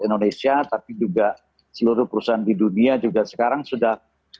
indonesia tapi juga seluruh perusahaan di dunia juga sekarang sudah